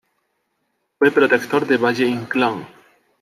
Fue protector de Valle-Inclán.